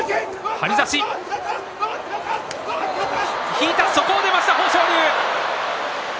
引いた、そこを出ました